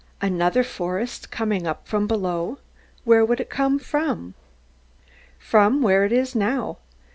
Another forest coming up from below? Where would it come from? From where it is now.